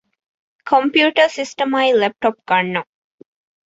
ކޮމްޕިއުޓަރ ސިސްޓަމާއި ލެޕްޓޮޕް ގަންނަން